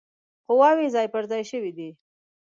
قواوي ځای پر ځای شوي دي.